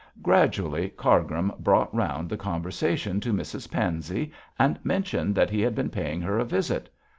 Gradually Cargrim brought round the conversation to Mrs Pansey and mentioned that he had been paying her a visit.